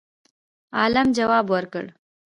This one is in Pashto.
عالم جواب ورکړ